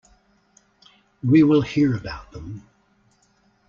We will hear about them.